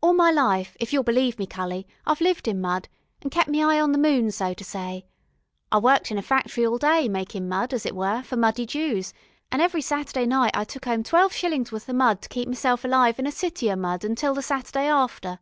All my life, if you'll believe me, cully, I've lived in mud an' kep' me eye on the moon, so to say. I worked in a factory all day, makin' mud, as it were, for muddy Jews, an' every Saturday night I took 'ome twelve shillin's worth o' mud to keep meself alive in a city o' mud until the Saturday after.